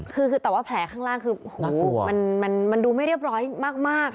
คือแต่ว่าแผลข้างล่างคือมันดูไม่เรียบร้อยมาก